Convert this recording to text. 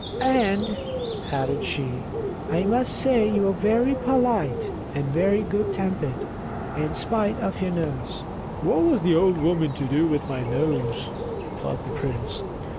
"And," added she, "I must say you are very polite and very good tempered, in spite of your nose." "What has the old woman to do with my nose?" thought the prince.